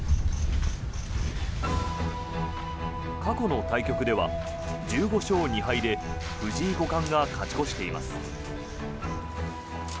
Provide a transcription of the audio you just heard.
過去の対局では１５勝２敗で藤井五冠が勝ち越しています。